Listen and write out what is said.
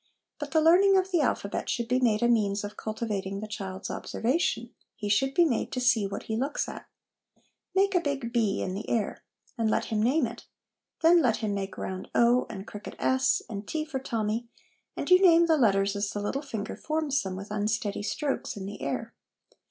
But the learning of the alphabet should be made a means of cultivating the child's observation : he should be made to see what he looks at. Make big B in the air, and let him name it ; then let him make round (9, and crooked S, and T for Tommy, and you name the letters as the little finger forms them with unsteady strokes in the air.